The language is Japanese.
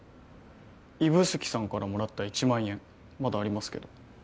指宿さんから貰った１万円まだありますけど。